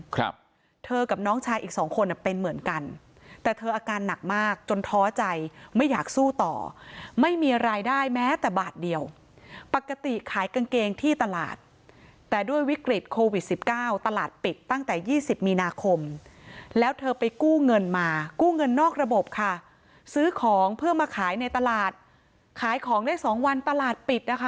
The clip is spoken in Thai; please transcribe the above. ครับเธอกับน้องชายอีกสองคนอ่ะเป็นเหมือนกันแต่เธออาการหนักมากจนท้อใจไม่อยากสู้ต่อไม่มีรายได้แม้แต่บาทเดียวปกติขายกางเกงที่ตลาดแต่ด้วยวิกฤตโควิดสิบเก้าตลาดปิดตั้งแต่ยี่สิบมีนาคมแล้วเธอไปกู้เงินมากู้เงินนอกระบบค่ะซื้อของเพื่อมาขายในตลาดขายของได้สองวันตลาดปิดนะคะ